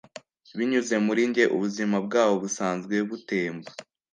binyuze muri njye ubuzima bwabo-busanzwe butemba,